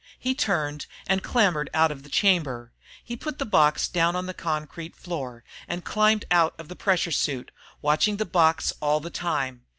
He turned and clambered out of the chamber. He put the box down on the concrete floor, and climbed out of the pressure suit, watching the box all the time.